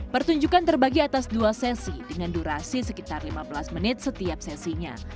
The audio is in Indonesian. pertunjukan terbagi atas dua sesi dengan durasi sekitar lima belas menit setiap sesinya